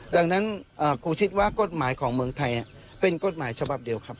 ดังนั้นครูคิดว่ากฎหมายของเมืองไทยเป็นกฎหมายฉบับเดียวครับ